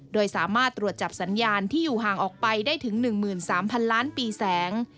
โดยสามารถตรวจจับสัญญาณที่อยู่ห่างออกไปได้ถึง๑๓๐๐๐ล้านปีแสง